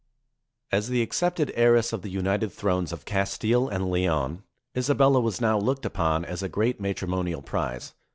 As the accepted heiress of the united thrones of Castile and Leon, Isabella was now looked upon as a great matrimonial prize.